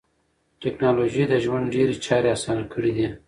ټکنالوژي د ژوند ډېری چارې اسانه کړې دي.